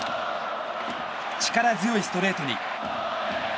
力強いストレートに。